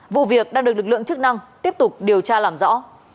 vụ việc đang được lực lượng chức năng tiếp tục điều tra làm rõ